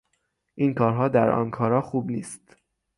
این کارها در آنکارا خوب نیست